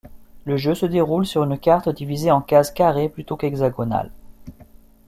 Le jeu se déroule sur une carte divisée en case carrée plutôt qu’hexagonales.